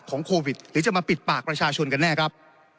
โควิดหรือจะมาปิดปากประชาชนกันแน่ครับ